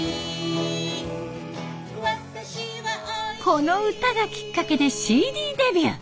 この歌がきっかけでＣＤデビュー。